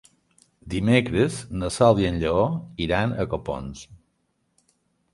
Dimecres na Sol i en Lleó iran a Copons.